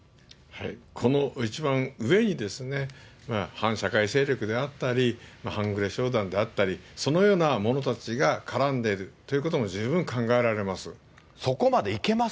この一番上に反社会勢力であったりとか、反グレ集団であったり、そのような者たちが絡んでいるということも十分考えられます。